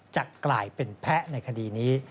จะกลายเป็นแพ้ในคดีนี้